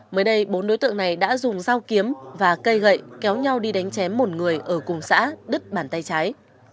mới đây bốn đối tượng này đã dùng dao kiếm và cây gậy kéo nhau đi đánh chém một người ở cùng xã đức bản tây trái